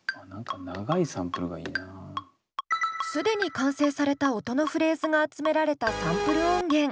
既に完成された音のフレーズが集められたサンプル音源。